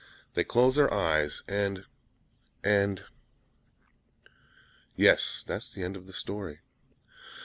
They closed their eyes, and and ! Yes, that's the end of the story!